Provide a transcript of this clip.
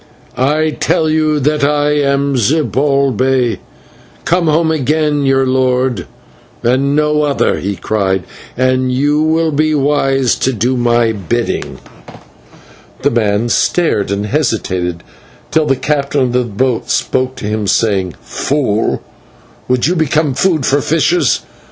"I tell you that I am Zibalbay, come home again, your lord, and no other," he cried, "and you will be wise to do my bidding." The man stared, and hesitated, till the captain of the boat spoke to him, saying: "Fool, would you become food for fishes?